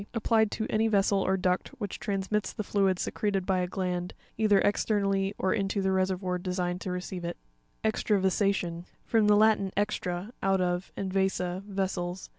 —Applied to any vessel or duct which transmits the fluid secreted by a gland, either exter. nally or into the reseryoir designed to receive it. Exrravasa'tion.—From the Latin, extra, out of, and vasa, vessels.